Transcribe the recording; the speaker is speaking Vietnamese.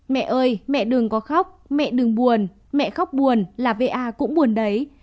mẹ ơi mẹ đừng có khóc mẹ đừng buồn mẹ khóc buồn là va cũng buồn đấy